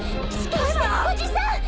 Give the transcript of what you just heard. おじさん！